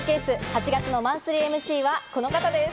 ８月のマンスリーＭＣはこの方です。